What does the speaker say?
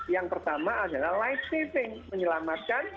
yang pertama adalah light saving menyelamatkan